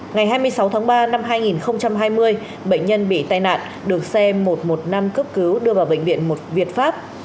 ngày hai mươi sáu tháng ba năm hai nghìn hai mươi bệnh nhân bị tai nạn được xe một trăm một mươi năm cấp cứu đưa vào bệnh viện một việt pháp